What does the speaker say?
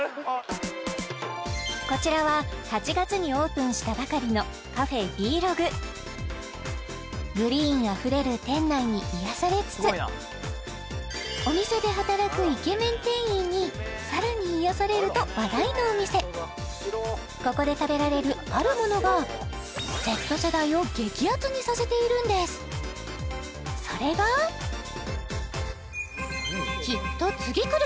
こちらは８月にオープンしたばかりのＣａｆｅＢ−ｌｏｇグリーンあふれる店内に癒やされつつお店で働くイケメン店員にさらに癒やされると話題のお店ここで食べられるあるものがＺ世代を激アツにさせているんですそれがきっと次くる！